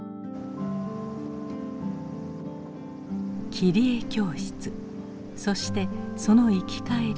切り絵教室そしてその行き帰り。